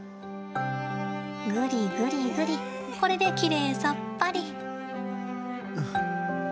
ぐりぐりぐりこれで、きれいさっぱり。